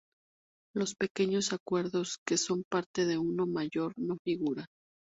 Los pequeños acuerdos, que son parte de uno mayor no figuran.